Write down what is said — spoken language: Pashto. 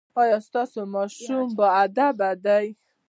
ایا ستاسو ماشومان باادبه دي؟